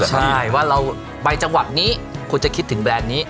ใช่ว่าเราไปจังหวัดนี้คุณจะคิดถึงแบรนด์นี้